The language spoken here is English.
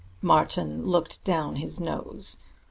Martin looked down his nose.